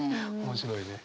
面白いね。